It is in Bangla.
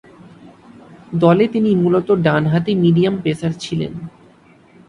দলে তিনি মূলতঃ ডানহাতি মিডিয়াম-পেসার ছিলেন।